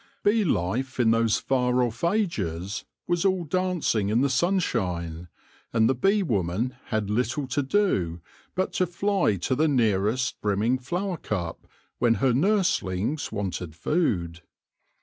Bee life in those far off ages was all dancing in the sunshine, and the bee woman had little to do but to fly to the nearest brimming flower cup when her nurslings wanted food.